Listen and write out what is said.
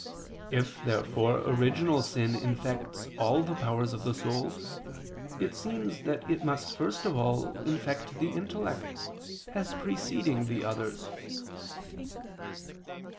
If therefore original sin infects all the powers of the soul, it seems that it must first of all infect the intellect, as preceding the others.